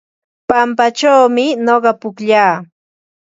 Pampachawmi nuqa pukllaa.